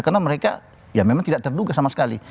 karena mereka ya memang tidak terduga sama sekali